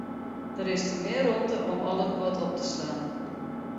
Der is te min rûmte om al it guod op te slaan.